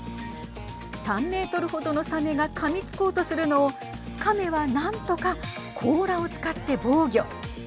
３メートル程のさめが、かみつこうとするのを亀は何とか甲羅を使って防御。